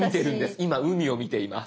今海を見ています。